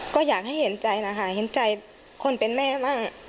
ก็อยากให้เห็นใจนะคะเห็นใจคนเป็นแม่บ้าง